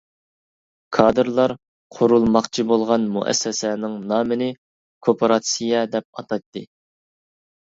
كادىرلار قۇرۇلماقچى بولغان مۇئەسسەسەنىڭ نامىنى «كوپىراتسىيە» دەپ ئاتايتتى.